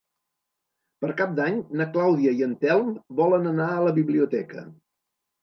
Per Cap d'Any na Clàudia i en Telm volen anar a la biblioteca.